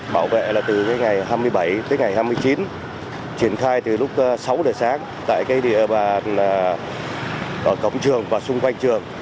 bảo vệ là từ ngày hai mươi bảy tới ngày hai mươi chín triển khai từ lúc sáu giờ sáng tại cái địa bàn cổng trường và xung quanh trường